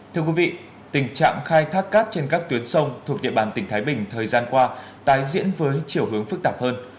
thưa quý vị tình trạng khai thác cát trên các tuyến sông thuộc địa bàn tỉnh thái bình thời gian qua tái diễn với chiều hướng phức tạp hơn